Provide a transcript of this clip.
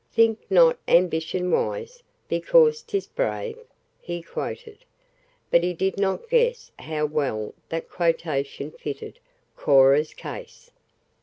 "'Think not ambition wise, because 'tis brave?'" he quoted. But he did not guess how well that quotation fitted Cora's case.